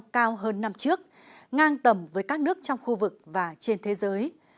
cao hơn năm trước ngang tầm với các nước trong khu vực và trên thế giới